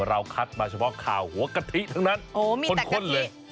เราคัดมาเฉพาะขาวหัวกะติทั้งนั้นโอ้โฮมีแต่กะติ